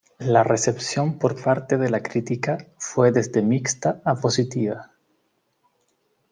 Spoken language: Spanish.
La Recepción por parte de la crítica fue desde mixta a positiva.